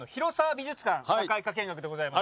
社会科見学でございます。